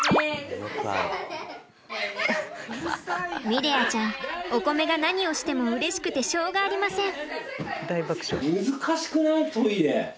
ミレアちゃんおこめが何をしてもうれしくてしょうがありません。